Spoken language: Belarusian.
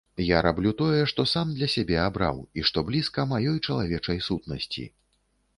Я раблю тое, што сам для сябе абраў, і што блізка маёй чалавечай сутнасці.